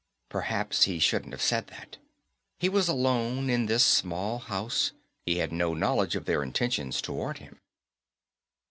Perhaps he shouldn't have said that. He was alone in this small house; he had no knowledge of their intentions toward him.